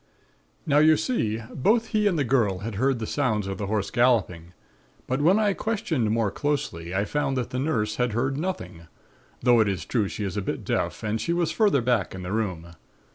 "Now you see, both he and the girl had heard the sounds of the horse galloping; but when I questioned more closely I found that the aunt had heard nothing, though it is true she is a bit deaf, and she was further back in the room.